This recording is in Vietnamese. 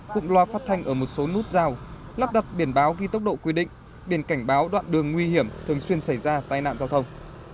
cụm loa phát thanh ở một số nút giao lắp đặt biển báo ghi tốc độ quy định biển cảnh báo đoạn đường nguy hiểm thường xuyên xảy ra tai nạn giao thông